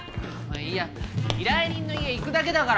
いや依頼人の家行くだけだから。